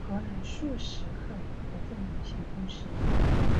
葛兰素史克股份有限公司。